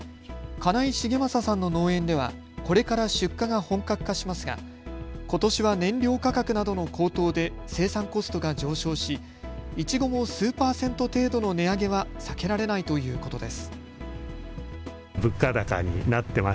金井繁正さんの農園ではこれから出荷が本格化しますがことしは燃料価格などの高騰で生産コストが上昇しいちごも数％程度の値上げは避けられないということです。